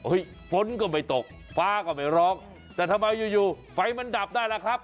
ฝนก็ไม่ตกฟ้าก็ไม่ร้องแต่ทำไมอยู่อยู่ไฟมันดับได้ล่ะครับ